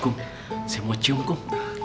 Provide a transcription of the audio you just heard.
kum saya mau cium kum